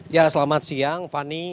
ya selamat siang fani